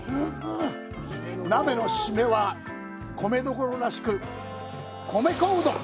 鍋のシメは、米どころらしく米粉うどん。